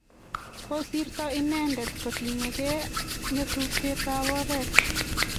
kosirto inendet kotienge nyasutiet ab oret